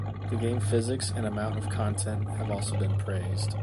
The game physics and amount of content have also been praised.